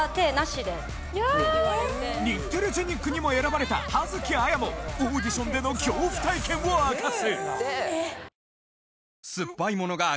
日テレジェニックにも選ばれた葉月あやもオーディションでの恐怖体験を明かす！